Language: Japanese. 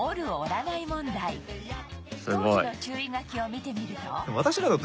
当時の注意書きを見てみると